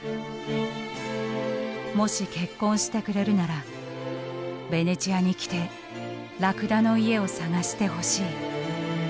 「もし結婚してくれるならベネチアに来てラクダの家を探してほしい」。